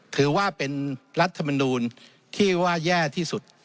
ถือว่าเป็นรัฐมนูลที่ว่าแย่ที่สุด